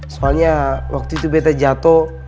soalnya waktu itu bete jatuh